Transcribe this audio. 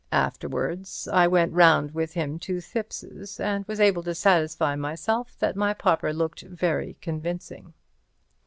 Afterwards I went round with him to Thipps's and was able to satisfy myself that my pauper looked very convincing.